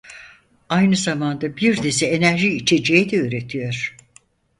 Aynı zamanda bir dizi enerji içeceği de üretiyor.